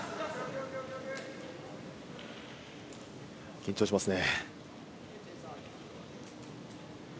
緊張しますね。